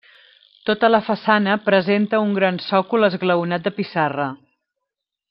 Tota la façana presenta un gran sòcol esglaonat de pissarra.